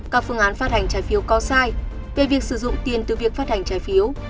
các phương án phát hành trái phiếu có sai về việc sử dụng tiền từ việc phát hành trái phiếu